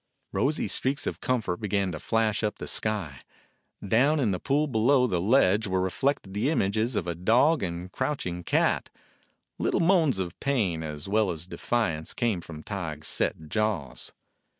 Rosy streaks of comfort began to flash up the sky. Down in the pool below the ledge were reflected the images of dog and crouch ing cat. Little moans of pain as well as defi ance came from Tige's set jaws.